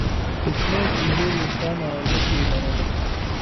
کوچنی چې ژیړ ویښتان او عینکې یې لرلې